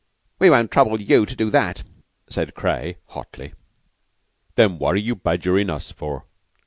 "We won't trouble you to do that!" said Craye hotly. "Then what are you badgerin' us for?"